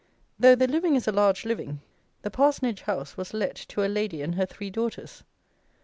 Though the living is a large living, the parsonage house was let to "a lady and her three daughters."